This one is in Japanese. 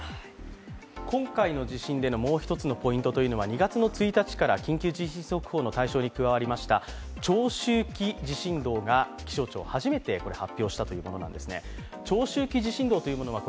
今回の地震でのもう１つのポイントは２月１日から緊急地震速報の対象に加わりました、長周期地震動が気象庁、初めて発表したというものなんですね。